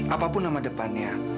apapun nama depannya